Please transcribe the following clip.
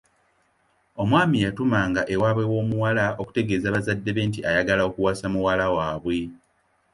Omwami yatumanga ewaabwe w’omuwala okutegeeza bazadde be nti ayagala okuwasa muwala waabwe.